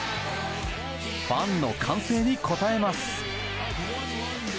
ファンの歓声に応えます。